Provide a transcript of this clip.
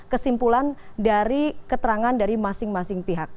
kesimpulan dari keterangan dari masing masing pihak